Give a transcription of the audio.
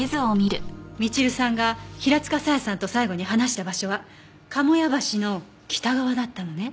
みちるさんが平塚沙耶さんと最後に話した場所は鴨屋橋の北側だったのね？